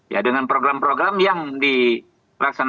ya dengan program program yang dilaksanakan